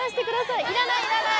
いらない、いらない！